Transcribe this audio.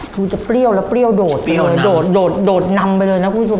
คือจะเปรี้ยวแล้วเปรี้ยวโดดไปเลยโดดโดดนำไปเลยนะคุณผู้ชม